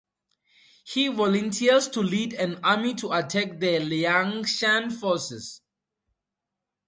He volunteers to lead an army to attack the Liangshan forces.